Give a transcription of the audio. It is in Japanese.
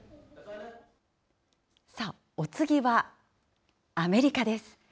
さあ、お次はアメリカです。